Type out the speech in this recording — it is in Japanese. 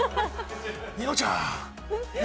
ニノちゃん。